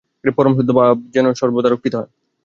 পরমশুদ্ধ ভাব যেন সর্বদা রক্ষিত হয়।